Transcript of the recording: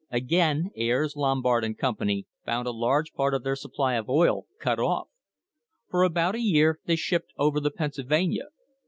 Again Ayres, Lombard and Company found a large part of their supply of oil cut off. For about a year they shipped over the Pennsylvania.